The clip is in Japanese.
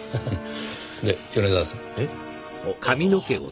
で米沢さん。え？あっああ。